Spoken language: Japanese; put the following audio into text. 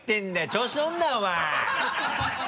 調子乗るなよお前！